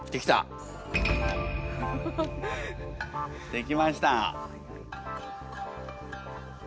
できました。